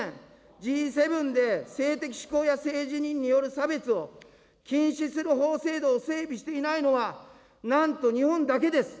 Ｇ７で性的指向や政治による差別を、禁止する法制度を整備していないのは、なんと日本だけです。